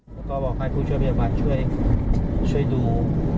แล้วก็บอกให้ผู้ช่วยพยาบาลช่วยดู